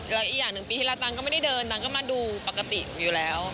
แล้วอีกอย่างหนึ่งปีที่ละตังค์ก็ไม่ได้เดินตังค์ก็มาดูปกติอยู่แล้ว